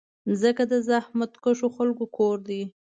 مځکه د زحمتکښو خلکو کور ده.